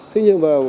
thế nhưng mà